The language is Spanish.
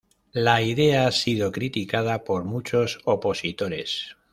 La idea ha sido criticada por muchos opositores.